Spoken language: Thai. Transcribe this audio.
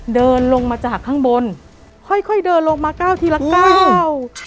เดินลงมาจากข้างบนค่อยค่อยเดินลงมาเก้าทีละเก้า